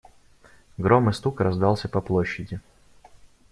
Гром и стук раздался по площади.